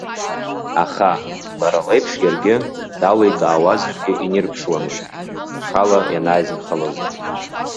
Аха, лара леиԥш иаргьы, даликаауазаргьы инирԥшуамызт, рхала ианааизынхалозгьы.